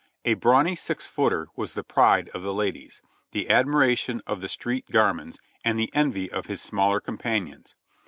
A brawny six footer was the pride of the ladies, the admiration of the street gamins and the envy of his smaller com panions.